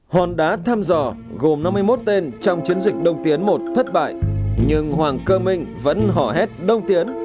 hòn đá thăm dò gồm năm mươi một tên trong chiến dịch đông tiến một thất bại nhưng hoàng cơ minh vẫn hò hết đông tiến